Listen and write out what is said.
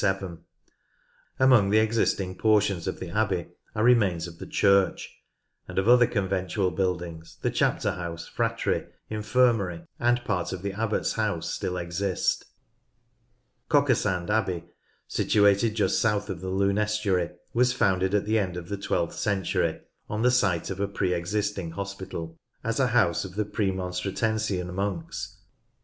Among the existing portions of the Abbey are remains of the church ; and of other conventual buildings the chapter house, fratry, infirmary, and part of the Abbot's house still exist. Cockersand Abbey, situated just south of the Lune estuary, was founded at the end of the twelfth century, on the site of a pre existing hospital, as a House of the Premonstratensian monks.